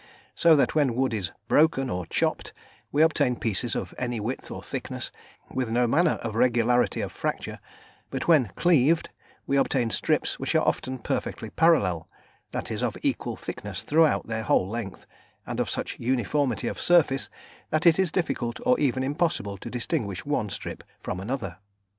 So that when wood is "broken," or "chopped," we obtain pieces of any width or thickness, with no manner of regularity of fracture, but when "cleaved," we obtain strips which are often perfectly parallel, that is, of equal thickness throughout their whole length, and of such uniformity of surface that it is difficult or even impossible to distinguish one strip from another.